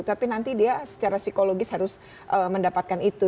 tapi nanti dia secara psikologis harus mendapatkan itu